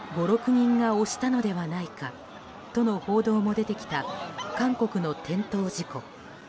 ５６人が押したのではないかとの報道も出てきた韓国の転倒事故。